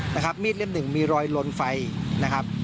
นะครับมีดเล่มหนึ่งมีรอยลนไฟนะครับ